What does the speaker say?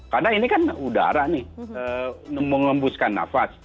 karena ini kan udara nih mengembuskan nafas